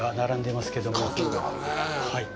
はい。